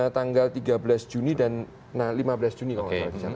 tanggal tiga belas juni dan lima belas juni kalau tidak salah